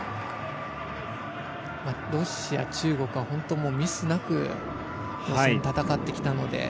ロシア、中国はミスなく予選を戦ってきたので。